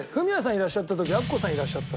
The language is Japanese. いらっしゃった時アッコさんいらっしゃった？